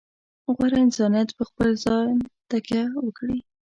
غوره انسانیت په خپل ځان تکیه وکړي.